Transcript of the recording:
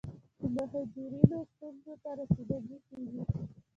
د مهاجرینو ستونزو ته رسیدګي کیږي.